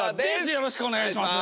よろしくお願いします。